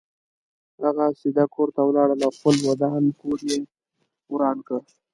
هغه سیده کور ته ولاړ او خپل ودان کور یې وران کړ.